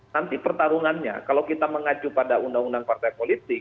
nanti pertarungannya kalau kita mengacu pada undang undang partai politik